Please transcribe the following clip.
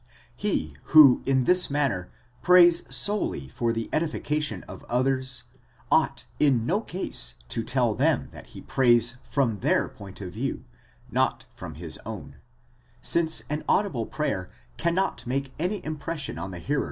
He who in this manner prays solely for the edification of others, ought in no case to tell them that he prays from their point of view, not from his own ; since an audible prayer cannot make any impression on the hearers, unless 41 This is what Neander maintains, L.